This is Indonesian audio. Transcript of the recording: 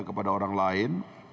kepada orang lain